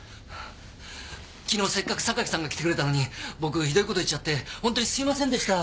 昨日せっかく榊さんが来てくれたのに僕ひどい事言っちゃって本当にすみませんでした。